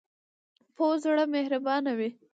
پوخ زړه مهربانه وي